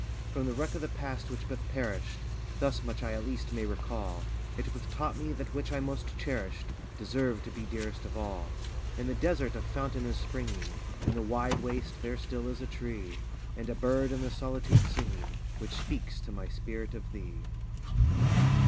_ From the wreck of the past, which bath perished, Thus much I at least may recall, It bath taught me that which I most cherished Deserved to be dearest of all: In the desert a fountain is springing, In the wide waste there still is a tree, And a bird in the solitude singing, Which speaks to my spirit of _thee.